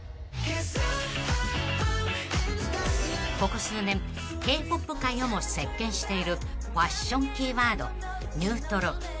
［ここ数年Ｋ−ＰＯＰ界をも席巻しているファッションキーワード「ニュートロ」］